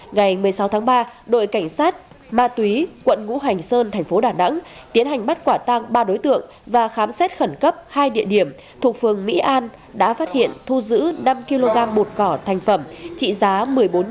ngày một mươi sáu tháng ba đội cảnh sát ma túy quận ngũ hành sơn tp đà nẵng tiến hành bắt quả tăng ba đối tượng và khám xét khẩn cấp hai địa điểm thuộc phường mỹ an đã phát hiện thu giữ năm kg bột cỏ thành phẩm trị giá một kg